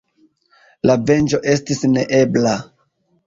La venĝo estis neebla.